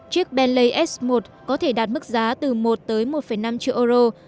chiếc benlay s một có thể đạt mức giá từ một tới một năm triệu euro